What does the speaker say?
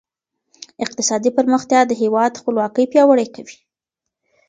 اقتصادي پرمختيا د هېواد خپلواکي پياوړې کوي.